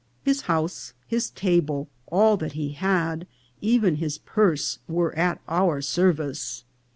His house, his table, all that he had, even his purse, were at our service.